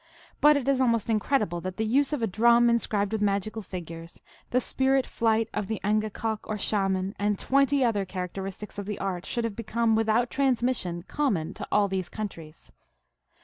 But it is almost incredible that the use of a drum inscribed with magical figures, the spirit flight of the aiigakok or Shaman, and twenty other characteristics of the art should have become, without transmission, common to all these countries.